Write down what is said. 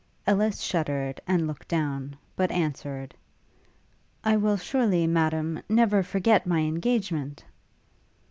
Ellis shuddered, and looked down; but answered, 'I will surely, Madam, never forget my engagement!'